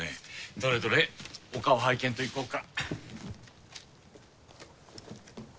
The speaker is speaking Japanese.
どれどれお顔拝見といこうか。